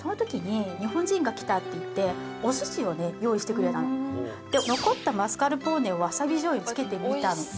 これ私ねで残ったマスカルポーネをわさびじょうゆにつけてみたの。